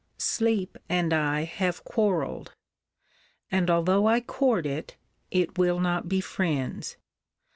Sleep and I have quarreled; and although I court it, it will not be friends.